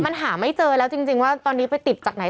มันหาไม่เจอแล้วจริงว่าตอนนี้ไปติดจากไหน